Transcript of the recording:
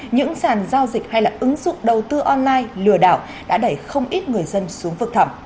những sản giao dịch hay là ứng dụng đầu tư online lừa đảo đã đẩy không ít người dân xuống vực thẩm